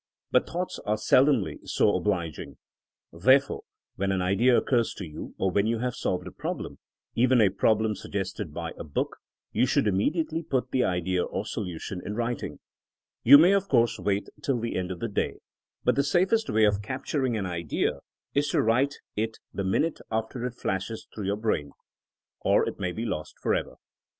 But thoughts are seldom so oblig ing. Therefore when an idea occurs or when you have solved a problem, even a problem sug gested by a book, you should immediately put the idea or solution in writing. You may of course wait until the end of the day. But the safest way of capturing an idea is to write it the minute after it flashes through your brain, THZNKING AS A SCIENCE 193 or it may be lost forever.